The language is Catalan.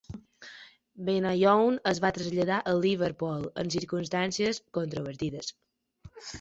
Benayoun es va traslladar a Liverpool en circumstàncies controvertides.